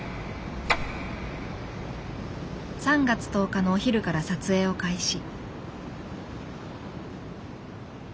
３月１０日のお昼から撮影を開始。